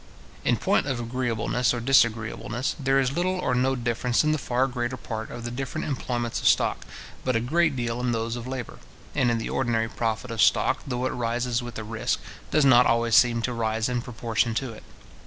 In point of agreeableness or disagreeableness, there is little or no difference in the far greater part of the different employments of stock, but a great deal in those of labour; and the ordinary profit of stock, though it rises with the risk, does not always seem to rise in proportion to it.